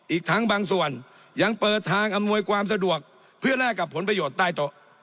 อีกทั้งบางส่วนยังเปิดทางอำนวยความสะดวกเพื่อแลกกับผลประโยชน์ใต้โต๊ะ